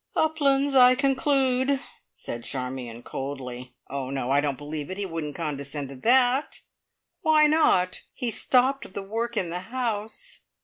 "Uplands, I conclude," said Charmion coldly. "Oh, no! I don't believe it. He wouldn't condescend to that!" "Why not? He stopped the work in the house."